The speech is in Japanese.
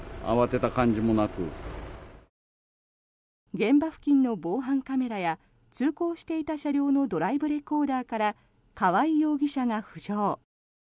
現場付近の防犯カメラや通行していた車両のドライブレコーダーから川合容疑者が浮上。